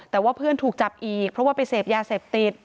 แต่ว่าเพื่อนถูกจับอีกเพราะว่าไปเสพยาเสพติด